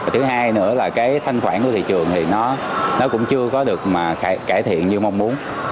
thứ hai nữa là cái thanh khoản của thị trường thì nó cũng chưa có được mà cải thiện như mong muốn